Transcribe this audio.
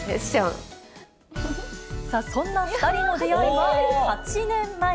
そんな２人の出会いは、８年前。